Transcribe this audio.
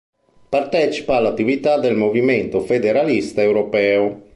Partecipa all'attività del Movimento Federalista Europeo.